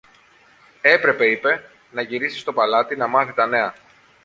Έπρεπε, είπε, να γυρίσει στο παλάτι, να μάθει τα νέα.